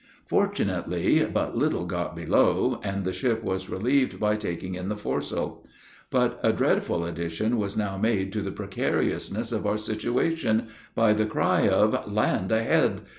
Fortunately, but little got below, and the ship was relieved by taking in the foresail. But a dreadful addition was now made to the precariousness of our situation, by the cry of "land a head!"